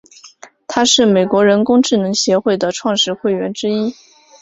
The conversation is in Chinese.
他是美国人工智能协会的创始会员之一。